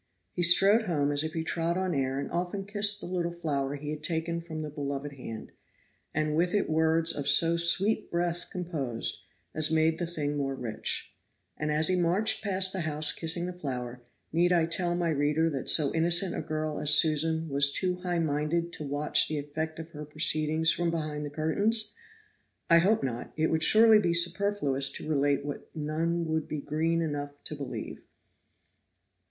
He strode home as if he trod on air and often kissed the little flower he had taken from the beloved hand, "and with it words of so sweet breath composed, as made the thing more rich;" and as he marched past the house kissing the flower, need I tell my reader that so innocent a girl as Susan was too high minded to watch the effect of her proceedings from behind the curtains? I hope not, it would surely be superfluous to relate what none would be green enough to believe.